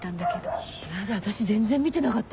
やだ私全然見てなかった。